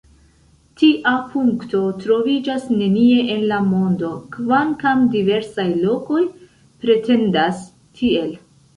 Tia punkto troviĝas nenie en la mondo, kvankam diversaj lokoj pretendas tiel.